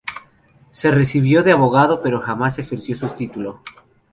Se recibió de abogado pero jamás ejerció su título.